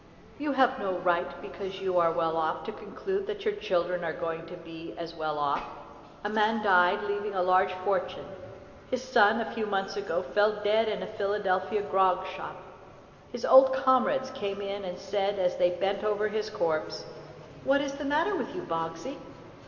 You have no right, because you are well off, to conclude that your children are going to be as well off. A man died, leaving a large fortune. His son, a few months ago, fell dead in a Philadelphia grog shop. His old comrades came in and said, as they bent over his corpse: "What is the matter with you, Boggsey?"